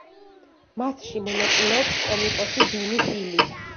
მასში მონაწილეობს კომიკოსი ბენი ჰილი.